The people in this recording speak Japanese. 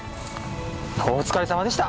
お疲れさまでした。